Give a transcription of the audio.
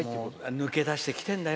抜け出してきてんだよ。